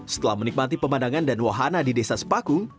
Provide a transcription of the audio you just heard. setelah menikmati pemandangan dan wahana di desa sepakung